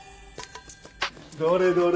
どれどれ？